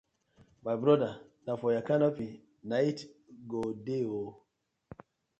My broda na for yur canopy na it go dey ooo.